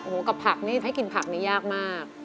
โอ้โหกับผักนี่ให้กินผักนี้ยากมาก